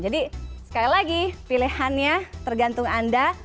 jadi sekali lagi pilihannya tergantung anda